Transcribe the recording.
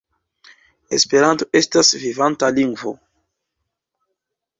Esperanto estas vivanta lingvo.